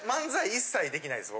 一切できないです。